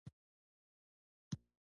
دا داسې نه ده چې څو تخنیکران دې پیدا شي.